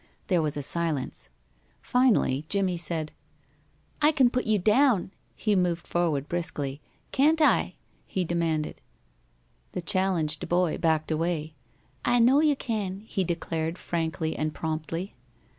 There was a silence. Finally Jimmie said: "I can put you down." He moved forward briskly. "Can't I?" he demanded. The challenged boy backed away. "I know you can," he declared, frankly and promptly.